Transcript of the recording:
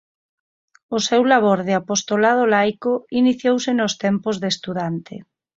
O seu labor de apostolado laico iniciouse nos tempos de estudante.